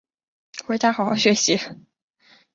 在艺术作品上涅赫贝特被描绘成一只秃鹰。